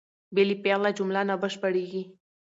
بې له فعله جمله نه بشپړېږي.